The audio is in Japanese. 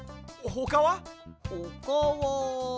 ほかは。